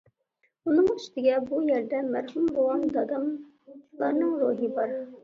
ئۇنىڭ ئۈستىگە بۇ يەردە مەرھۇم بوۋام، داداملارنىڭ روھى بار.